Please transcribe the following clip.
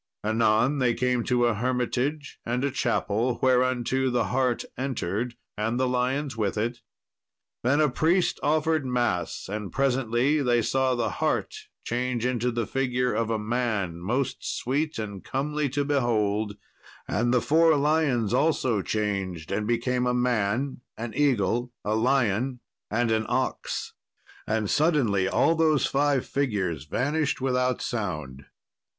Anon they came to a hermitage and a chapel, whereunto the hart entered, and the lions with it. Then a priest offered mass, and presently they saw the hart change into the figure of a man, most sweet and comely to behold; and the four lions also changed and became a man, an eagle, a lion, and an ox. And suddenly all those five figures vanished without sound.